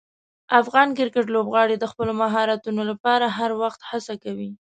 افغان کرکټ لوبغاړي د خپلو مهارتونو لپاره هر وخت هڅه کوي.